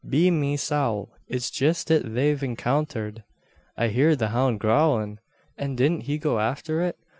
Be me sowl it's jist it they've encounthered. I heerd the hound gowlin, an didn't he go afther it.